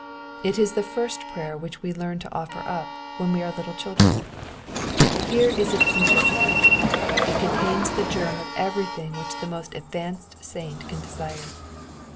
It is the first prayer which we learn to offer np, when we are little children. Here is its simplicity. — ^It contains the germ of everything which the most advanced saint can desire.